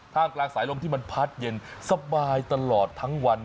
กลางสายลมที่มันพัดเย็นสบายตลอดทั้งวัน